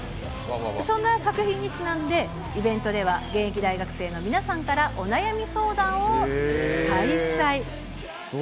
そんな作品にちなんで、イベントでは、現役大学生の皆さんからお悩み相談を開催。